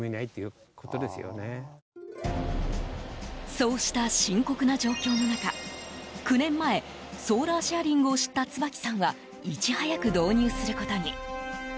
そうした深刻な状況の中９年前ソーラーシェアリングを知った椿さんはいち早く導入することに。